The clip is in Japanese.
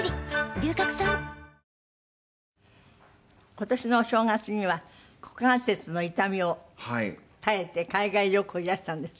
今年のお正月には股関節の痛みを耐えて海外旅行にいらしたんですって？